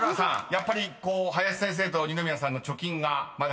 やっぱり林先生と二宮さんの貯金がまだ利きましたね］